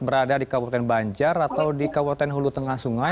berada di kabupaten banjar atau di kabupaten hulu tengah sungai